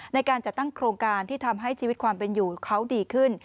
ในการจัดตั้งโครงการที่ทำให้ชีวิตความเป็นอยู่เขาดีขึ้น